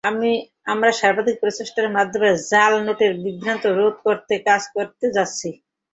আমরা সার্বিক প্রচেষ্টার মাধ্যমে জাল নোটের বিস্তার রোধ করতে কাজ করে যাচ্ছি।